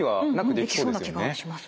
できそうな気がします。